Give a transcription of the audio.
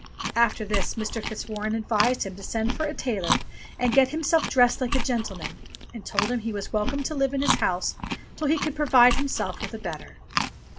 After this Mr. Fitzwarren advised him to send for a tailor and get himself dressed like a gentleman, and told him he was welcome to live in his house till he could provide himself with a better.